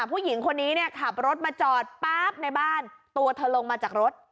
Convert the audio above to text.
ผู้หญิงคนนี้เนี่ยขับรถมาจอดป๊าบในบ้านตัวเธอลงมาจากรถ